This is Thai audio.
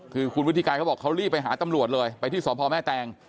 คุณวิทยกายเขาเรียบไปหาตำรวจเลยไปที่สพแม่แตง